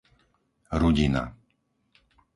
Rudina